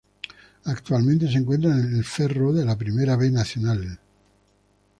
Actualmente se encuentra en el Ferro de la Primera B Nacional.